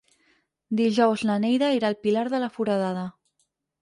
Dijous na Neida irà al Pilar de la Foradada.